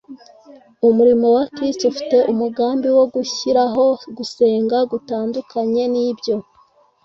Umurimo wa Kristo ufite umugambi wo gushyiraho gusenga gutandukanye n'ibyo.